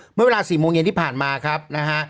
เมื่อเวลา๔โมงเย็นที่ผ่านมาครับนะฮะ